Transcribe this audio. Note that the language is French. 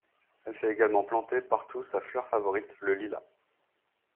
Elle fait également planter partout sa fleur favorite, le lilas.